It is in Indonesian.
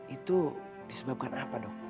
itu disebabkan apa dok